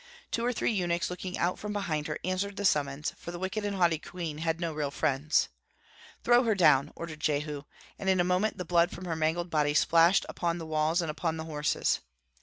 Two or three eunuchs, looking out from behind her, answered the summons, for the wicked and haughty queen had no real friends. "Throw her down!" ordered Jehu; and in a moment the blood from her mangled body splashed upon the walls and upon the horses.